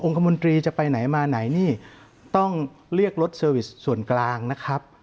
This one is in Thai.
คมนตรีจะไปไหนมาไหนนี่ต้องเรียกรถเซอร์วิสส่วนกลางนะครับ